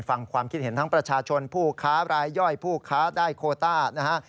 ฟังความคิดเห็นทั้งประชาชนผู้ค้ารายย่อยผู้ค้าได้โคต้านะฮะ